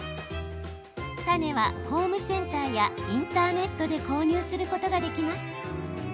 種は、ホームセンターやインターネットで購入することができます。